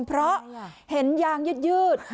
เพราะเห็นยางยืด